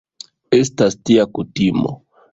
Estas tia kutimo.